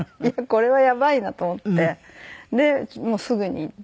これはやばいなと思ってすぐに言って。